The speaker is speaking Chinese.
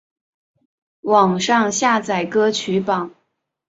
网上下载歌曲榜